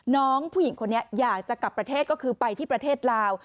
น้องผู้หญิงคนนี้อยากจะกลับประเทศก็คือไปที่ประเทศลาว